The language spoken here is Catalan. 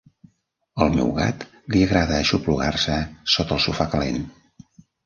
Al meu gat li agrada aixoplugar-se sota el sofà calent.